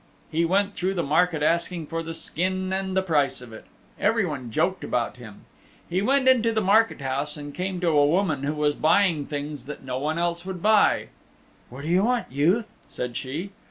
He went through the market asking for the skin and the price of it. Everyone joked about him. He went into the market house and came to a woman who was buying things that no one else would buy. "What do you want, youth?" said she.